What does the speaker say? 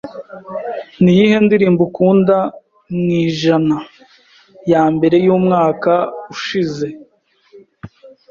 Niyihe ndirimbo ukunda mu ijanas yambere yumwaka ushize?